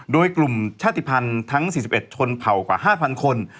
โดยกลุ่มชาติภัณฑ์ทั้ง๔๑ชนเผ่ากว่า๕๐๐คน